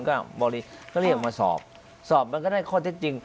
ก็เรียกมาสอบสอบมันก็ได้ข้อเท็จจริง